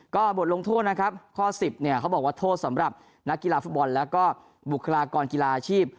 ก็บทลงโทษนะครับข้อ๑๐เนี่ยเขาบอกว่าโทษสำหรับนักกีฬาฟุตบอลแล้วก็บุคลากรกีฬาอาชีพ